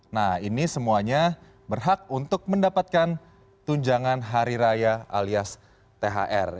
nah ini semuanya berhak untuk mendapatkan tunjangan hari raya alias thr